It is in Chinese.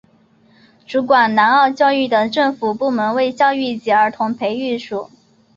主管南澳教育的政府部门为教育及儿童培育署。